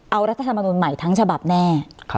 เอารัฐธรรมนุนใหม่ทั้งฉบับแน่